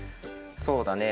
そうだね。